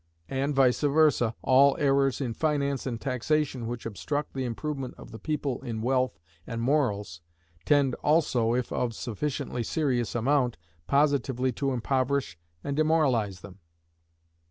And vice versâ, all errors in finance and taxation which obstruct the improvement of the people in wealth and morals, tend also, if of sufficiently serious amount, positively to impoverish and demoralize them.